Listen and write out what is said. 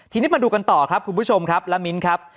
ทีนี้มาดูกันต่อครับคุณผู้ชมครับละมิ้นครับ